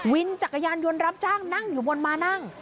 วินจักรยานยนต์รับจ้างนั่งอยู่บนมานั่ง